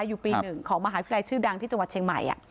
อยู่ปี๑ของมหาวิทยาลัยชื่อดังที่จังหวัดเชียงใหม่